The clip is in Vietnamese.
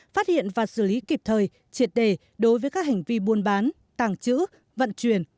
phát hiện và xử lý kịp thời triệt đề đối với các hành vi buôn bán tàng trữ vận chuyển